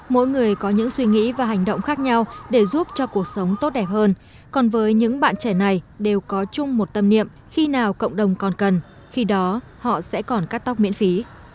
mỗi người có những suy nghĩ và hành động khác nhau để giúp cho cuộc sống tốt đẹp hơn còn với những bạn trẻ này đều có chung một tâm niệm khi nào cộng đồng còn cần khi đó họ sẽ còn cắt tóc miễn phí